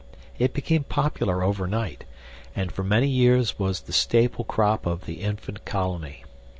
It became popular overnight, and for many years was the staple crop of the infant colony.